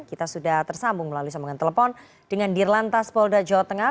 kita sudah tersambung melalui sambungan telepon dengan dirlantas polda jawa tengah